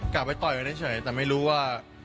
กลับไปต่อยไปเฉยแต่ไม่รู้ว่า